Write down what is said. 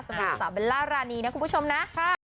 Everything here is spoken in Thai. สำหรับสาวเบลล่ารานีนะคุณผู้ชมนะ